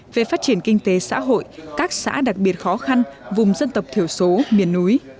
về phát triển kinh tế xã hội các xã đặc biệt khó khăn vùng dân tộc thiểu số miền núi